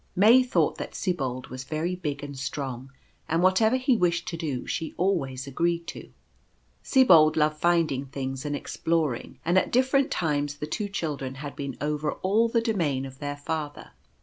May thought that Sibold was very big and strong, and whatever he wished to do she always agreed to. Sibold loved finding things and exploring; and at different times the two children had been over all the do main of their father.